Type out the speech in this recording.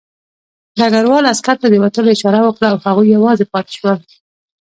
ډګروال عسکر ته د وتلو اشاره وکړه او هغوی یوازې پاتې شول